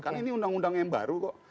karena ini undang undang yang baru kok